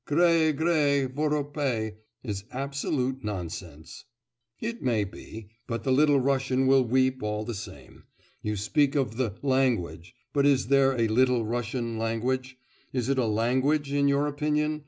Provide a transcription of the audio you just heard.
"grae, grae, voropae" is absolute nonsense.' 'It may be, but the Little Russian will weep all the same. You speak of the "language."... But is there a Little Russian language? Is it a language, in your opinion?